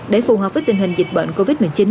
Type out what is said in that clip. để phù hợp với tình hình dịch bệnh covid một mươi chín